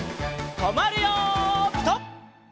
とまるよピタ！